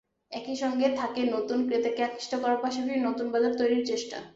একই সঙ্গে থাকে নতুন ক্রেতাকে আকৃষ্ট করার পাশাপাশি নতুন বাজার তৈরির চেষ্টা।